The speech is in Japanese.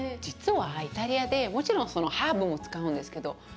実はイタリアでもちろんハーブも使うんですけどあ。